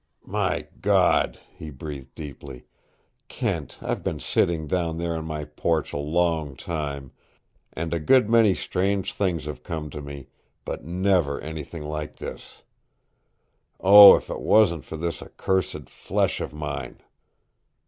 "My God!" he breathed deeply. "Kent, I've been sitting down there on my porch a long time, and a good many strange things have come to me, but never anything like this. Oh, if it wasn't for this accursed flesh of mine!"